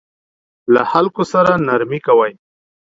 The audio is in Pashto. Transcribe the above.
له خلکو سره نرمي کوئ